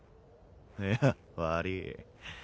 いや悪ぃ。